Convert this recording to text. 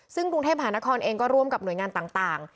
ซึ่งกรุงเทพหานครเองก็ร่วมกับหน่วยงานต่าง